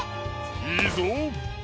いいぞ！